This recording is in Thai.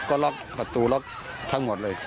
ก็ล๊อคอัตตูล๊อคทั้งหมดเลย